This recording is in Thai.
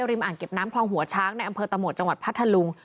อ่างเก็บน้ำคลองหัวช้างในอำเภอตะโหมดจังหวัดพัทธลุง